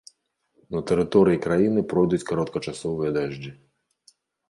На тэрыторыі краіны пройдуць кароткачасовыя дажджы.